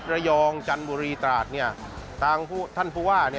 ระยองจันทร์บุรีตราศน์ต่างท่านภูว่า